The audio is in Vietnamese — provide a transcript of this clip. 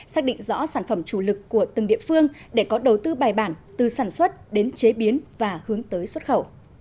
xác định rõ sản phẩm chủ lực của từng địa phương để có đầu tư bài bản từ sản xuất đến chế biến và hướng tới xuất khẩu